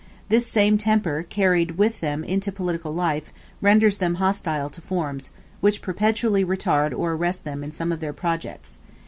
This same temper, carried with them into political life, renders them hostile to forms, which perpetually retard or arrest them in some of their projects.